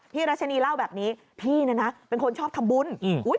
พี่รัชนีเล่าแบบนี้พี่นะนะเป็นคนชอบทำบุญ